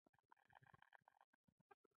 لویه برخه د سناتوریال شتمنۍ کورنۍ ته ورسېده.